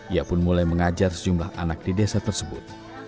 ia pun mulai mengajar sejumlah anak di desa tersebut